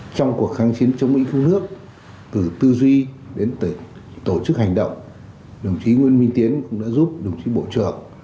trong cuộc kháng chiến chống mỹ cứu nước từ tư duy đến từ tổ chức hành động đồng chí nguyễn minh tiến cũng đã giúp đồng chí bộ trưởng